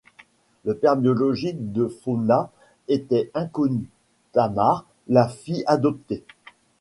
Le père biologique de Fauna étant inconnu, Tamar la fit adopter.